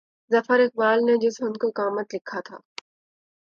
ظفر اقبال نے جس حُسن کو قامت لکھا